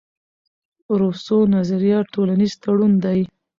روسو نظریه ټولنیز تړون دئ.